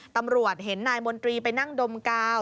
ตำรวจเห็นนายมนตรีไปนั่งดมกาว